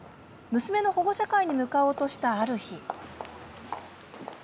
娘の保護者会に向かおうとしたある日。